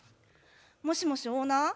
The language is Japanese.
もしもしオーナー？